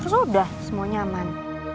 terus udah semuanya aman